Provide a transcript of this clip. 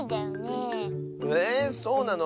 えそうなの？